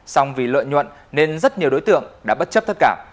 xong vì lợi nhuận nên rất nhiều đối tượng đã bất chấp tất cả